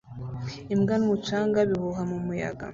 Imbwa n'umucanga bihuha mu muyaga